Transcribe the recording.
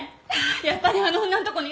やっぱりあの女のとこにいるから。